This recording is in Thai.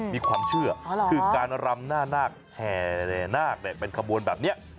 มีความเชื่อคือการรำหน้านาคแห่นาคเป็นขบวนแบบนี้